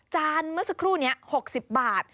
จานเมื่อสักครู่นี้๖๐บาท